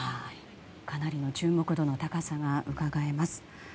かなりの注目度の高さがうかがえます。